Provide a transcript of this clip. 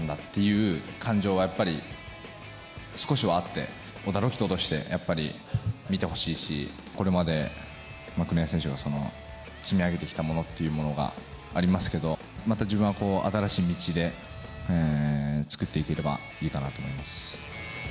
もちろん、すごいうれしいんですけど、常にやっぱりこう、俺は小田凱人なんだという感情はやっぱり少しはあって、小田凱人として、やっぱり見てほしいし、これまで国枝選手が積み上げてきたものっていうものがありますけど、また自分は新しい道で作っていければいいかなと思います。